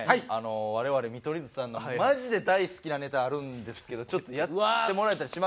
我々見取り図さんのマジで大好きなネタあるんですけどちょっとやってもらえたりします？